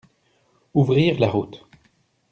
Ouvrir la route